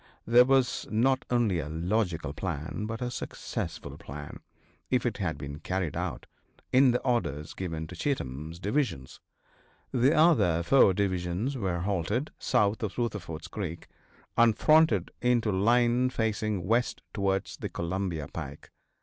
There was not only a logical plan but a successful plan, if it had been carried out, in the orders given to Cheatham's divisions. The other four divisions were halted south of Rutherford's creek, and fronted into line facing west towards the Columbia pike.